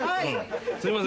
すいません